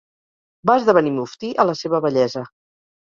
Va esdevenir muftí a la seva vellesa.